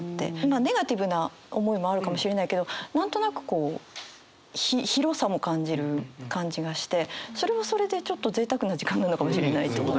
ネガティブな思いもあるかもしれないけど何となくこう広さも感じる感じがしてそれはそれでちょっとぜいたくな時間なのかもしれない。